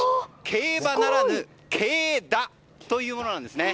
競馬ならぬ競駝というものです。